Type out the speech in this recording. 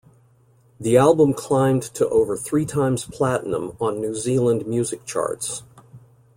The album climbed to over three times platinum on New Zealand music charts.